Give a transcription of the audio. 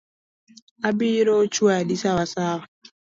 Abiro chwadi sawasawa.